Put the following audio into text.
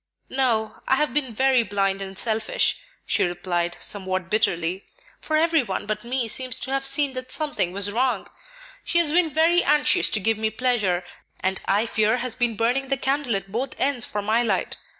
"No; I have been very blind and selfish," she replied, somewhat bitterly, "for every one but me seems to have seen that something was wrong. She has been very anxious to give me pleasure, and I fear has been burning the candle at both ends for my light.